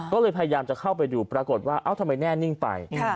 ก็เลยพยายามจะเข้าไปดูปรากฏว่าเอ้าทำไมแน่นิ่งไป